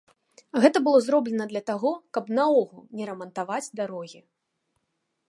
Гэта было зроблена для таго, каб наогул не рамантаваць дарогі.